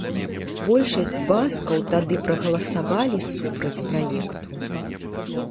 Большасць баскаў тады прагаласавалі супраць праекту.